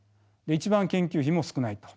一番研究費も少ないと。